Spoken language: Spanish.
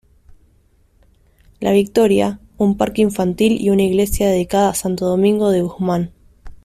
La Victoria—, un parque infantil y una iglesia dedicada a Santo Domingo de Guzmán.